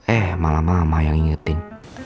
eh malah mama yang ingetin